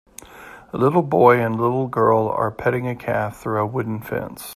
A little boy and little girl are petting a calf through a wooden fence.